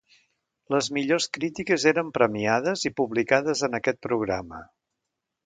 Les millors crítiques eren premiades i publicades en aquest programa.